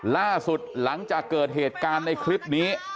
ล่าสุดหลังจากเกิดเหตุการณ์ในคลิปนี้